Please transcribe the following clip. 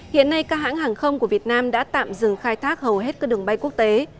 hiện nay các hãng hàng không của việt nam đã tạm dừng khai thác hầu hết các đường bay quốc tế